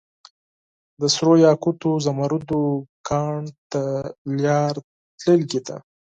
دسرو یاقوتو ، زمردو کان ته لار تللي ده